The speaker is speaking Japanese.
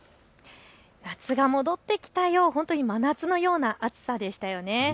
夏が戻ってきたような真夏のような暑さでしたね。